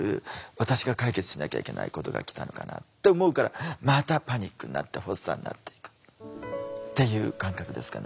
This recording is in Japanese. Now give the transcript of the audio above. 私が解決しなきゃいけないことが来たのかな」って思うからまたパニックになって発作になっていくっていう感覚ですかね。